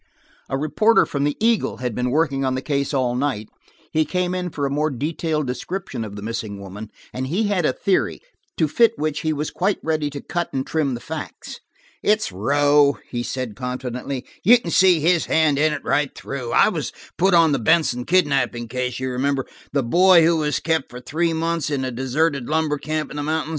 A reporter for the Eagle had been working on the case all night: he came in for a more detailed description of the missing woman, and he had a theory, to fit which he was quite ready to cut and trim the facts. "It's Rowe," he said confidently. "You can see his hand in it right through. I was put on the Benson kidnapping case, you remember, the boy who was kept for three months in a deserted lumber camp in the mountains?